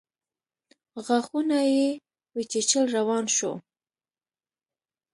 غاښونه يې وچيچل روان شو.